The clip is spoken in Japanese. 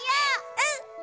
うん！